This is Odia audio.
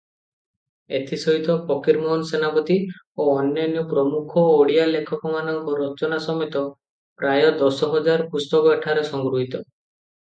ଏଥିସହିତ ଫକୀରମୋହନ ସେନାପତି ଓ ଅନ୍ୟାନ୍ୟ ପ୍ରମୁଖ ଓଡ଼ିଆ ଲେଖକମାନଙ୍କ ରଚନା ସମେତ ପ୍ରାୟ ଦଶ ହଜାର ପୁସ୍ତକ ଏଠାରେ ସଂରକ୍ଷିତ ।